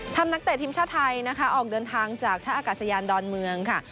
นักเตะทีมชาติไทยนะคะออกเดินทางจากท่าอากาศยานดอนเมืองค่ะ